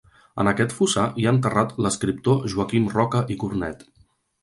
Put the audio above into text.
En aquest fossar hi ha enterrat l'escriptor Joaquim Roca i Cornet.